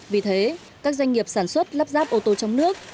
vì thế các doanh nghiệp sản xuất lắp ráp ô tô trong nước